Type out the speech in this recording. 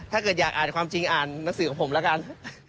ถ้าเกิดอยากอ่านความจริงอ่านหนังสือของผมแล้วกัน